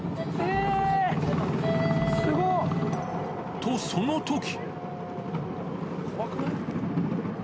と、そのとき。